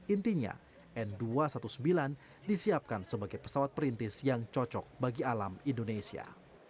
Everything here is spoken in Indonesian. intinya n dua ratus sembilan belas disiapkan sebagai pesawat perintis yang cocok bagi alam indonesia